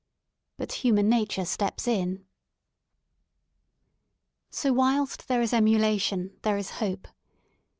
But human nature steps in. So whilst there is emulation there is hope.